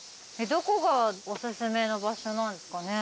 どこがおすすめの場所なんですかね。